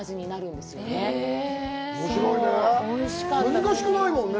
難しくないもんね。